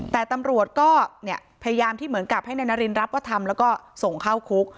แต่ตำรวจก็เนี่ยพยายามที่เหมือนกับให้นายนารินรับว่าทำแล้วก็ส่งเข้าคุก